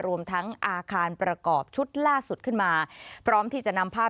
รวมทั้งอาคารประกอบชุดล่าสุดขึ้นมาพร้อมที่จะนำภาพ